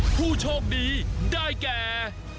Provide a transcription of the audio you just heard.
ผู้โชคดีได้แก่